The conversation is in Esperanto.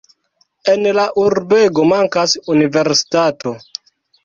En la urbego mankas universitato.